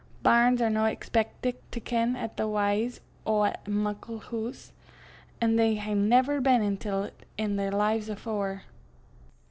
Bairns are no expeckit to ken a' the w'ys o' a muckle hoose 'at they hae never been intil i' their lives afore."